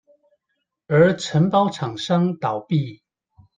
而承包廠商倒閉